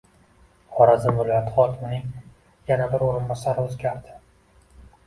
Xorazm viloyati hokimining yana bir o‘rinbosari o‘zgardi